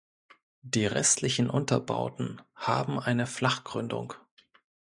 Die restlichen Unterbauten haben eine Flachgründung.